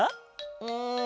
うん。